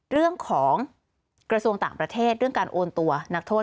เรื่องของกระทรวงต่างประเทศเรื่องการโอนตัวนักโทษ